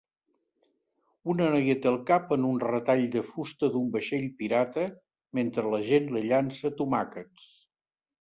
Una noia té el cap en un retall de fusta d'un vaixell pirata mentre la gent li llança tomàquets.